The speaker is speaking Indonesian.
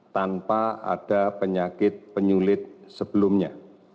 tanpa ada penyakit penyulit sebelumnya